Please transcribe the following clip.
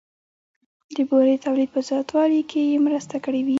د بورې د تولید په زیاتوالي کې یې مرسته کړې وي